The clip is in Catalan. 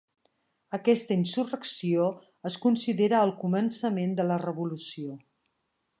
Aquesta insurrecció es considera el començament de la Revolució.